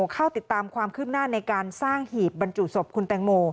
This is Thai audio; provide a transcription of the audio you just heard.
เข้าติดตามความคืบหน้าในการสร้างหีบบรรจุศพคุณแตงโม